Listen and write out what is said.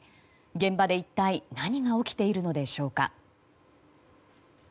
現場で一体何が起きているのでしょうか。